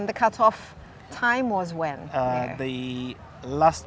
waktu ketika diangkat